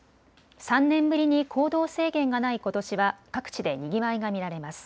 ３年ぶりに行動制限がないことしは各地でにぎわいが見られます。